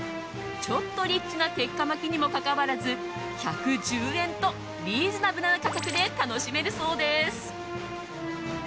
ちょっとリッチな鉄火巻きにもかかわらず１１０円とリーズナブルな価格で楽しめるそうです。